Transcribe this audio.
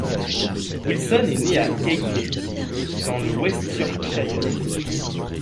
Wilson est né à Keighley, dans le West Yorkshire.